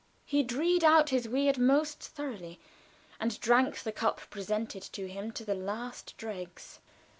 He dreed out his weird most thoroughly, and drank the cup presented to him to the last dregs.